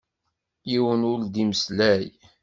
Yiwen ur d-imeslay.